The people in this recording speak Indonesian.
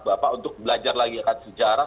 bapak untuk belajar lagi akan sejarah